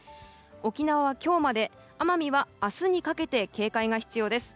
沖縄は今日まで奄美は明日にかけて警戒が必要です。